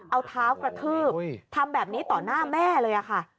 เอาเท้ากระทืบทำแบบนี้ต่อหน้าแม่เลยค่ะ